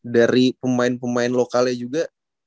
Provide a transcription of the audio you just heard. dari pemain pemain lokalnya juga